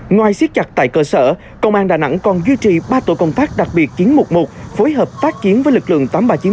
ngoài siết chặt tại cơ sở công an đà nẵng còn duy trì ba tổ công tác đặc biệt chiến một một phối hợp tác chiến với lực lượng tám nghìn ba trăm chín mươi bốn